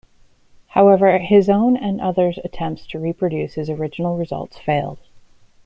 However, his own and others' attempts to reproduce his original results failed.